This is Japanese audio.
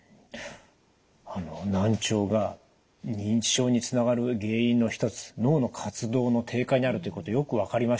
難聴が認知症につながる原因の一つ脳の活動の低下にあるということよく分かりました。